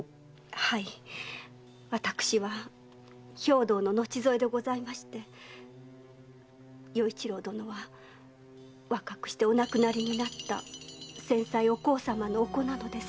はい私は兵藤の後添いでございまして与一郎殿は若くしてお亡くなりになった先妻お幸様のお子なのです。